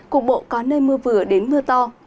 cục bộ có nơi mưa vừa đến mưa to